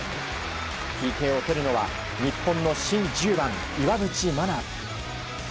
ＰＫを蹴るのは日本の新１０番、岩渕真奈。